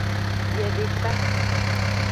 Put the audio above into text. Biedeka.